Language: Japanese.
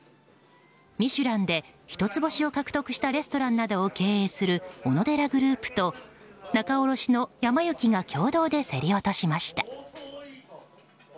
「ミシュラン」で一つ星を獲得したレストランなどを経営するオノデラグループと仲卸の、やま幸が共同で競り落としました。